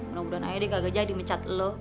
mudah mudahan ayah gak gajah dipecat lu